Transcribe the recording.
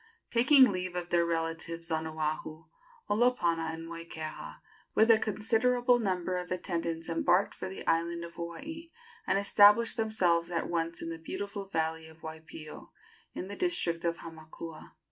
Taking leave of their relatives on Oahu, Olopana and Moikeha, with a considerable number of attendants, embarked for the island of Hawaii, and established themselves at once in the beautiful valley of Waipio, in the district of Hamakua.